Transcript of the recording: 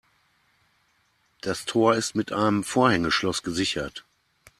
Das Tor ist mit einem Vorhängeschloss gesichert.